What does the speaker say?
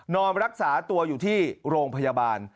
นอนรักษาตัวอยู่ที่โรงพยาบาล